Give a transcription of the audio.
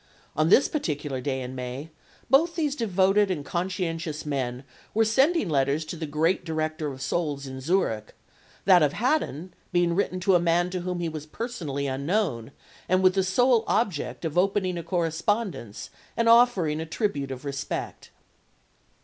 On this particular day in May both these devoted and conscientious men were sending letters to the great director of souls in Zurich, that of Haddon being written to a man to whom he was personally unknown, and with the sole object of opening a correspondence and offering a tribute of respect.